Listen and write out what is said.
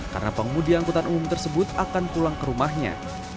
karena pengemudi angkutan umum tersebut akan pulang ke rumahnya